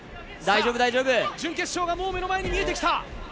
準決勝がもう目の前に見えてきた。